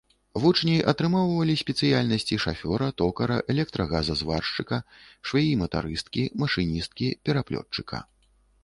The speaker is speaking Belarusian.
Вучні атрымоўвалі спецыяльнасці шафёра, токара, электрагазазваршчыка, швеі-матарысткі, машыністкі, пераплётчыка.